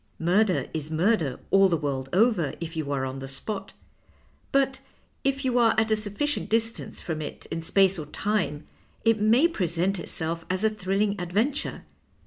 Murder is murder all the world over if 30U are on the spot. But if you are at a sufficient distance from it in space or time, it may present itself as a thrilling adventure.